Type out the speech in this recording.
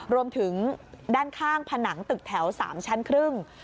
รวมถึงด้านข้างผนังตึกแถว๓ชั้นครึ่ง